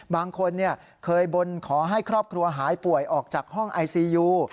บางคนเคยบนขอให้ครอบครัวหายป่วยออกจากห้องไอซียู